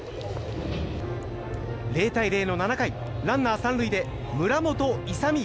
０対０の７回、ランナー３塁で村本勇海。